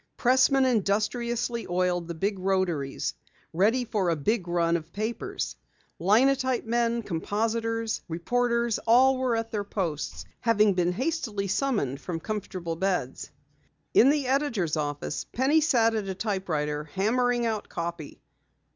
Pressmen industriously oiled the big rotaries ready for a big run of papers; linotype men, compositors, reporters, all were at their posts, having been hastily summoned from comfortable beds. In the editor's office, Penny sat at a typewriter hammering out copy.